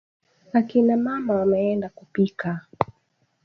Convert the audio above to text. Akina mama wameenda kupika.